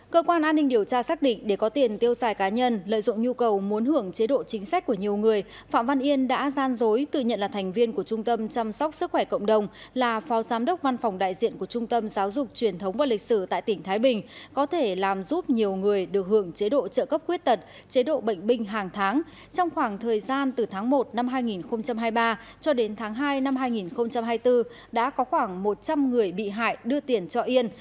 cơ quan an ninh điều tra xác định để có tiền tiêu xài cá nhân lợi dụng nhu cầu muốn hưởng chế độ chính sách của nhiều người phạm văn yên đã gian dối tự nhận là thành viên của trung tâm chăm sóc sức khỏe cộng đồng là phao giám đốc văn phòng đại diện của trung tâm giáo dục truyền thống và lịch sử tại tỉnh thái bình có thể làm giúp nhiều người được hưởng chế độ trợ cấp quyết tật chế độ bệnh binh hàng tháng trong khoảng thời gian từ tháng một năm hai nghìn hai mươi ba cho đến tháng hai năm hai nghìn hai mươi bốn đã có khoảng một trăm linh người bị hại đưa tiền cho yên